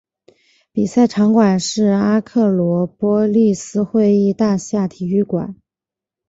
比赛场馆是阿克罗波利斯会议大厦体育馆。